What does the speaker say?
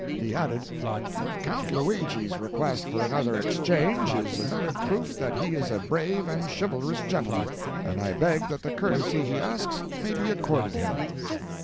He added: "Count Luigi's request for another exchange is another proof that he is a brave and chivalrous gentleman, and I beg that the courtesy he asks may be accorded him."